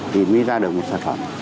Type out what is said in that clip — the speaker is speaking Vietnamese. thì mới ra được một sản phẩm